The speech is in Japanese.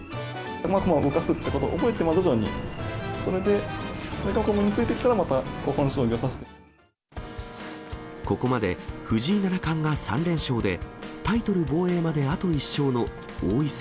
駒を動かすってことを覚えて、徐々にそれで、それが身についてきたら、ここまで藤井七冠が３連勝で、タイトル防衛まであと１勝の王位戦